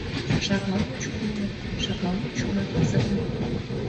Шагал мо чуменыт, шагал мо чумат кызытат...